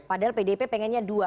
padahal pdip pengennya dua